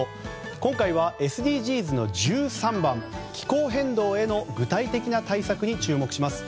今回はＳＤＧｓの１３番「気候変動への具体的な対策」に注目します。